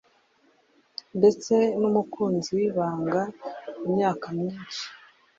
ndetse n'umukunzi w'ibanga. Imyaka myinshi,